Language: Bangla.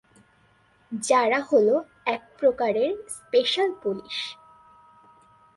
যারা হল এক প্রকারের স্পেশাল পুলিশ।